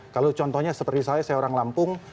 kalau contohnya seperti saya saya orang lampung